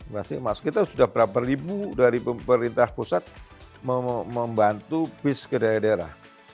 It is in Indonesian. masih masuk kita sudah berapa ribu dari pemerintah pusat membantu bis ke daerah